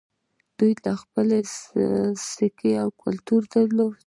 دوی خپله سکه او کلتور درلود